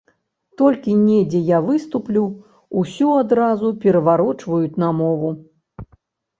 Толькі недзе я выступлю, усё адразу пераварочваюць на мову.